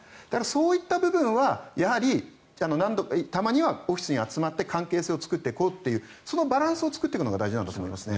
そういった部分はやはりたまにはオフィスに集まって関係性を作っていこうというそのバランスを作っていくのが大事なんだと思います。